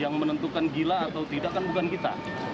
yang menentukan gila atau tidak kan bukan kita